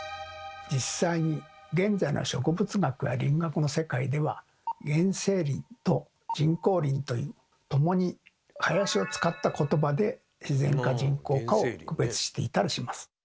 実際に現在の植物学や林学の世界では「原生林」と「人工林」という共に「林」を使ったことばで自然か人工かを区別していたりします。